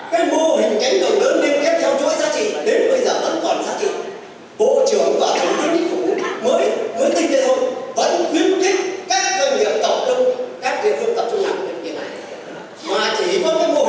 cái mô hình cánh tổng đơn liên kết giao chuỗi giá trị đến bây giờ vẫn còn giá trị